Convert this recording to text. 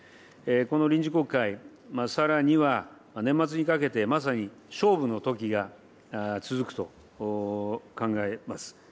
この臨時国会、さらには年末にかけて、まさに勝負のときが続くと考えます。